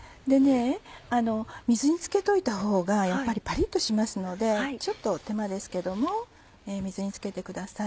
水につけといたほうがやっぱりパリっとしますのでちょっと手間ですけども水につけてください。